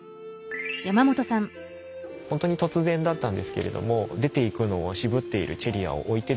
本当に突然だったんですけれども出ていくのを渋っているチェリアを置いてですね